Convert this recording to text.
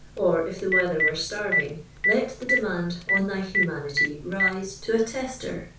or, if the weather were starving, " let the demand on thy humanity rise to a tejiter"' (Of